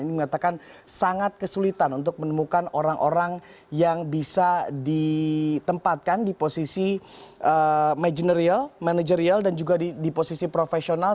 ini mengatakan sangat kesulitan untuk menemukan orang orang yang bisa ditempatkan di posisi manajerial dan juga di posisi profesional